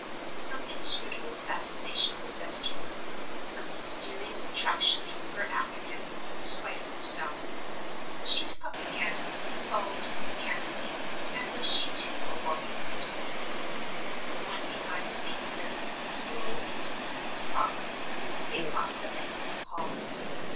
Some inscrutable fascination possessed her, some mysterious attraction drew her after him, in spite of herself. She took up the candle and followed him mechanically, as if she too were walking in her sleep. One behind the other, in slow and noiseless progress, they crossed the Banqueting Hall.